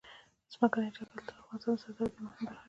ځمکنی شکل د افغانستان د صادراتو یوه مهمه برخه جوړوي.